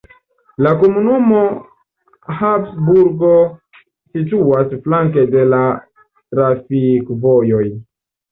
La komunumo Habsburgo situas flanke de la trafikvojoj.